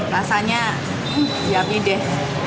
rasanya yummy deh